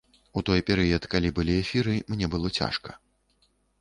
У той перыяд, калі былі эфіры, мне было цяжка.